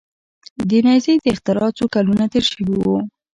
د نیزې د اختراع څو کلونه تیر شوي وو.